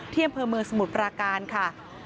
เที่ยมเผือเมืองสมุทรปราการค่ะ